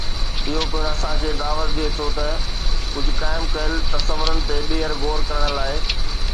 اهو پڻ اسان کي دعوت ڏئي ٿو ته ڪجهه قائم ڪيل تصورن تي ٻيهر غور ڪرڻ لاء.